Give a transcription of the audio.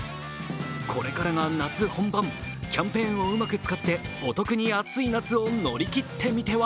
これからが夏本番、キャンペーンをうまく使ってお得に暑い夏を乗り切ってみては。